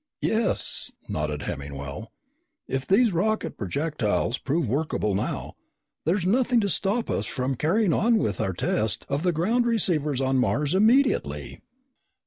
"Yes," nodded Hemmingwell. "If these rocket projectiles prove workable now, there's nothing to stop us from carrying on with our test of the ground receivers on Mars immediately."